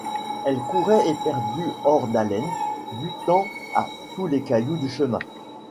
Elle courait éperdue, hors d'haleine, butant à tous les cailloux du chemin.